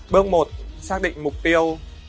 bước một xác định mục tiêu